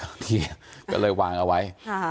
เนี่ยก็เลยวางเอาไว้